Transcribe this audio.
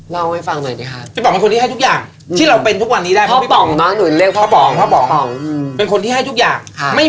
เล่าให้ฟังหน่อยหนีนะครับ